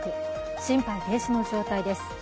心肺停止の状態です。